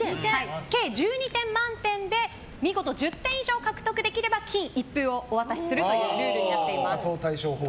計１２点満点で見事１０点以上を獲得できれば金一封をお渡しするルールになっております。